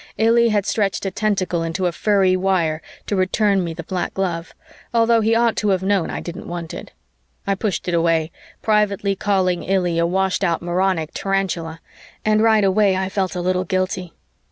Illy had stretched a tentacle into a furry wire to return me the black glove, although he ought to have known I didn't want it. I pushed it away, privately calling Illy a washed out moronic tarantula, and right away I felt a little guilty.